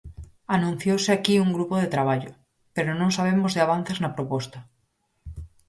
Anunciouse aquí un grupo de traballo, pero non sabemos de avances na proposta.